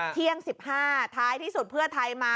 เที่ยง๑๕ท้ายที่สุดเพื่อไทยมา